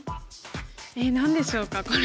えっ何でしょうかこれ。